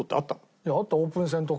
いやあったオープン戦とか。